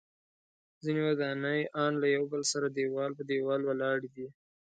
ځینې ودانۍ ان له یو بل سره دیوال په دیوال ولاړې دي.